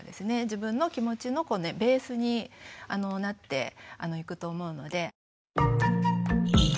自分の気持ちのベースになっていくと思うので。